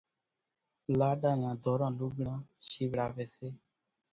لاڏا نان ڌوران لوُڳڙان شيوڙاويَ سي۔